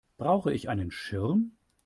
Brauche ich einen Schirm?